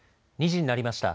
２時になりました。